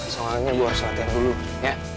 soalnya gue harus latihan dulu ya